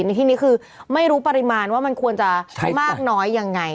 ในที่นี้คือไม่รู้ปริมาณว่ามันควรจะมากน้อยยังไง